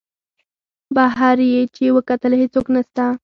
بهر یې چې وکتل هېڅوک نسته.